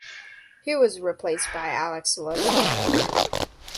He was replaced by Alex Oliveira.